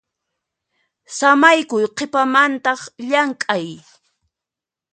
Samaykuy qhipamantaq llamk'ay.